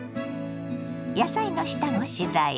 野菜の下ごしらえ。